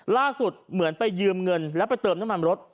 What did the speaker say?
ล่าสุดเหมือนไปยืมเงินและไปเติบน้ำมันรถ